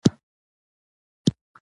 دا يې هم وويل چې پر کور او تجارت پام کوه.